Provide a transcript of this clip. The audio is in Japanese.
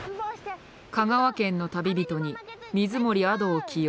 香川県の旅人に水森亜土を起用。